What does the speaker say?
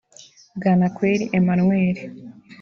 Bwanakweli Emmanuel